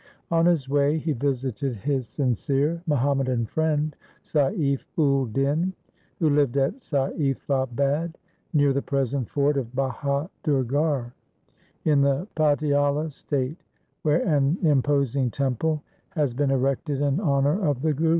On his way he visited his sincere Muhammadan friend Saif ul din who lived at Saifa bad, near the present fort of Bahadurgarh in the Patiala state, where an imposing temple has been erected in honour of the Guru.